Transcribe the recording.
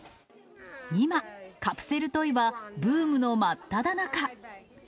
今、カプセルトイはブームの真っただ中。